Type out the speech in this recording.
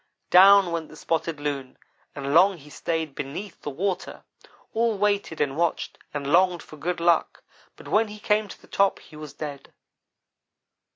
"Down went the Spotted Loon, and long he stayed beneath the water. All waited and watched, and longed for good luck, but when he came to the top he was dead.